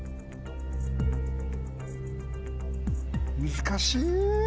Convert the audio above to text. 難しい！